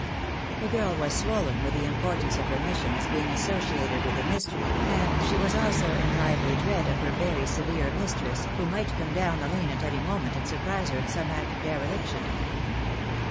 The girl was swollen with the importance of her mission as being associated with a mystery, and she was also in lively dread of her very severe mistress, who might come down the lane at any moment and surprise her in some act of dereliction.